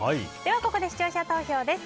ここで視聴者投票です。